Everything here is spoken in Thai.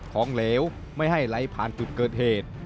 ของเหลวไม่ให้ไหลผ่านจุดเกิดเหตุ